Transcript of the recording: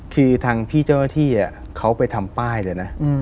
คือทางพี่เจ้าหน้าที่เขาไปทำป้ายเลยนะ